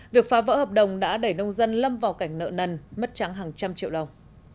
việc phá vỡ hợp đồng đã đẩy nông dân lâm vào cảnh nợ nần mất tráng hàng trăm triệu đồng